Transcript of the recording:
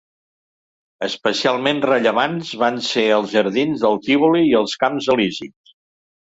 Especialment rellevants van ser els Jardins del Tívoli i els Camps Elisis.